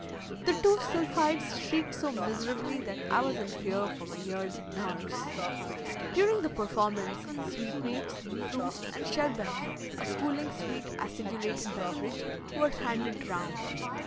The two sylphides shrieked so miserably that I was in fear for my ears and nerves. During the performance, sweetmeats, fruits, and sherbet (a cooling, sweet, acidulated beverage) were handed round.